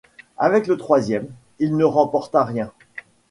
Avec le troisième, il ne remporta rien.